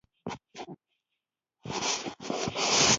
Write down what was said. ما وکتل چې هغه په کوز پارک کې ګرځي